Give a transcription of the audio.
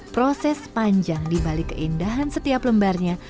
proses panjang dibalik keindahan setiap lembarnya